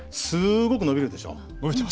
すごく伸びるでしょう。